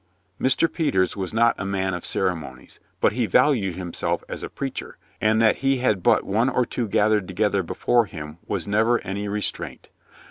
Mr. Peters was not a man of ceremonies, but he valued himself as a preacher and that he had but one or two gathered together before him was never any restraint.